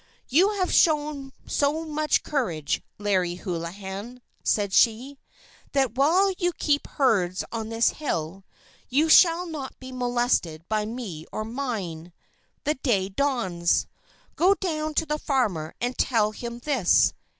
"You have shown so much courage, Larry Hoolahan," said she, "that while you keep herds on this hill, you shall not be molested by me or mine. The day dawns. Go down to the farmer, and tell him this.